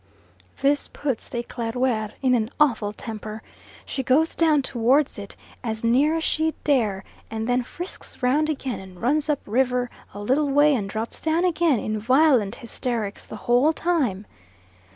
This puts the Eclaireur in an awful temper. She goes down towards it as near as she dare, and then frisks round again, and runs up river a little way and drops down again, in violent hysterics the whole time.